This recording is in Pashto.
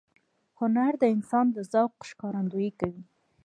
هنر د انسان د ذوق ښکارندویي کوي.